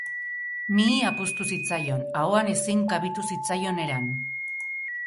Mihia puztu zitzaion, ahoan ezin kabitu zitzaion eran.